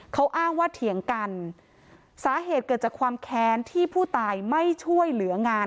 เขาอ้างว่าเถียงกันสาเหตุเกิดจากความแค้นที่ผู้ตายไม่ช่วยเหลืองาน